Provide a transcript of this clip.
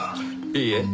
いいえ。